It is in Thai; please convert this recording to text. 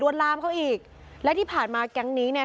ลามเขาอีกและที่ผ่านมาแก๊งนี้เนี่ย